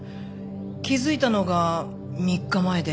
気づいたのが３日前で。